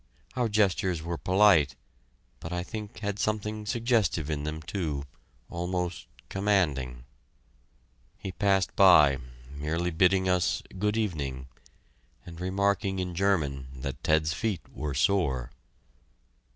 Our gestures were polite but I think had something suggestive in them too almost commanding. He passed by, merely bidding us "good evening," and remarking in German that Ted's feet were sore!